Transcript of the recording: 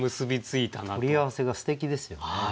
取り合わせがすてきですよね。